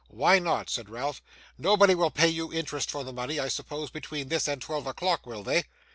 'Why not?' said Ralph. 'Nobody will pay you interest for the money, I suppose, between this and twelve o'clock; will they?